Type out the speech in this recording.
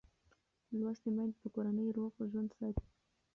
لوستې میندې د کورنۍ روغ ژوند ساتي.